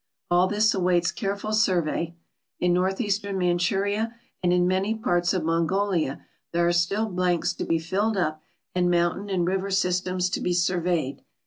All this awaits care ful survey. In northeastern Manchuria and in many parts of Mongolia there are still blanks to be filled up and mountain and river systems to be surveyed.